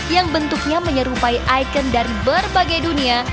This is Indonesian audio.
yang bentuknya menyerupai ikon dari berbagai dunia